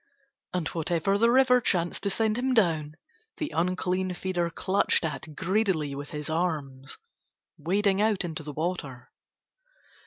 And whatever the river chanced to send him down the unclean feeder clutched at greedily with his arms, wading out into the water.